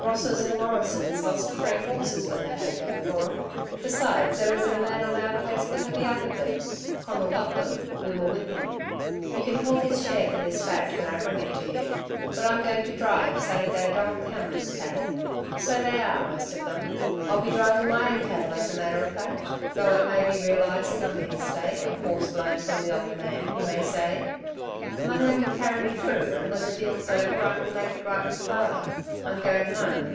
Rosses and Morrisons lost three horses when they had a go for 'em, besides there isn't a man on our place could have yarded them. Conal got them. We were with him. You can hold his share for this batch when I bring it to you. But I'm going to drive, saying they are Donald Cameron's cattle. So they are, most of them. I'll be driving my own cattle as a matter of fact, though it may be realising on the estate, a forced loan from the old man, you may say. My name will carry me through and when the deal's over I can make it right with father. I'm going home."